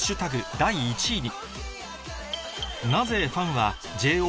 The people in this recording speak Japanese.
第１位に